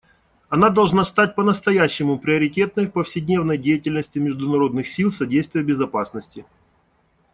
Она должна стать по-настоящему приоритетной в повседневной деятельности международных сил содействия безопасности.